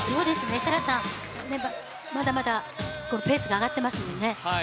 設楽さん、まだまだペースが上がってますもんね。